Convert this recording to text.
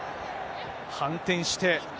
反転して。